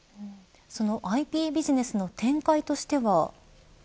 そのＩＰビジネスの展開としては。